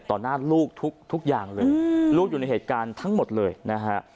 หน้าลูกทุกอย่างเลยลูกอยู่ในเหตุการณ์ทั้งหมดเลยนะฮะ